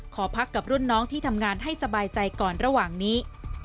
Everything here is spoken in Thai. ขอพักกับรุ่นน้องที่ทำงานให้สบายใจก่อนระหว่างนี้